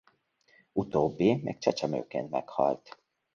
Utóbbi még csecsemőként meghalt.